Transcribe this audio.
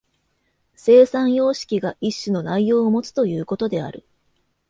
生産様式が一種の内容をもつということである。